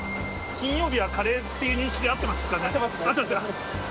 金曜日はカレーっていう認識合ってます。